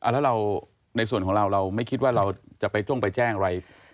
แล้วเราในส่วนของเราเราไม่คิดว่าเราจะไปจ้งไปแจ้งอะไร